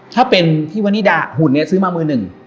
ถ้าเป็นที่วนิดาหุ่นเนี่ยซื้อมามือหนึ่ง